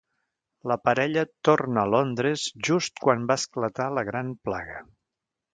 La parella torna a Londres just quan va esclatar la gran plaga.